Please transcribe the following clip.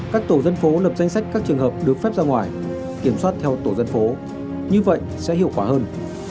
các tổ dân phố lập danh sách các trường hợp được phép ra ngoài kiểm soát theo tổ dân phố như vậy sẽ hiệu quả hơn